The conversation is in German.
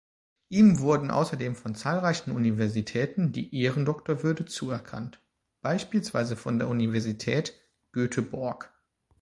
Ihm wurde außerdem von zahlreichen Universitäten die Ehrendoktorwürde zuerkannt, beispielsweise von der Universität Göteborg.